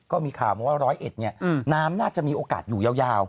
ก็มีข่าวบอกว่าร้อยเอ็ดนี่น้ำน่าจะมีโอกาสอยู่ยาว